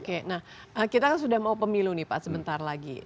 oke nah kita kan sudah mau pemilu nih pak sebentar lagi